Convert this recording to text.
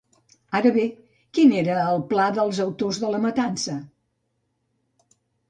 Ara bé, quin era el pla dels autors de la matança?